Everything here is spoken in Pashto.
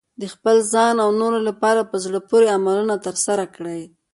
د خپل ځان او نورو لپاره په زړه پورې عملونه ترسره کړئ.